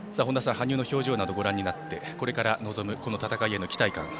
本田さん、羽生の表情などご覧になってこれから臨む戦いへの期待感